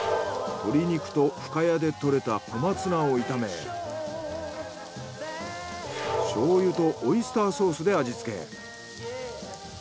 鶏肉と深谷で採れた小松菜を炒め醤油とオイスターソースで味付け。